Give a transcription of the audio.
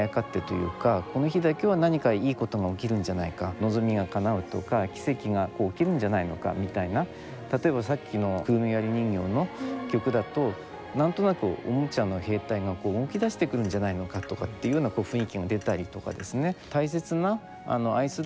望みがかなうとか奇跡が起きるんじゃないのかみたいな例えばさっきの「くるみ割り人形」の曲だと何となくおもちゃの兵隊が動きだしてくるんじゃないのかとかっていうような雰囲気が出たりとかですね